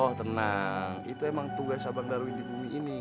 oh tenang itu emang tugas sabang darwi di bumi ini